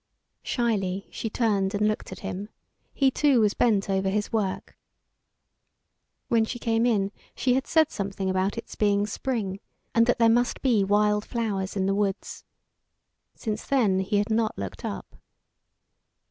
Shyly she turned and looked at him; he too was bent over his work. When she came in she had said something about its being spring, and that there must be wild flowers in the woods. Since then he had not looked up.